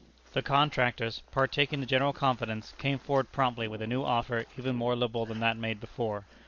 The contractors, partaking the general confidence, came forward promptly with a new offer even more liberal than that made before.